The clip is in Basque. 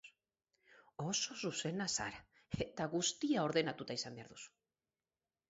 Oso zuzena zara, eta guztia ordenatuta izan behar duzu.